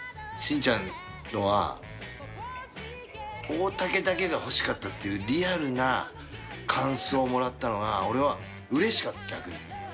シンちゃんのは大竹だけが欲しかったっていうリアルな感想をもらったのが俺はうれしかった逆に。